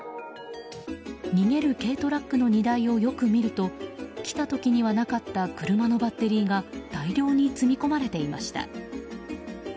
逃げる軽トラックの荷台をよく見ると来た時にはなかった車のバッテリーが大量に積み込まれていました。